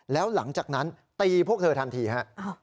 แล้วหลังจากนั้นตีพวกเธอทันทีฮะ